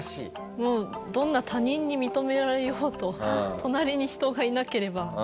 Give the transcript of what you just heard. もうどんな他人に認められようと隣に人がいなければ。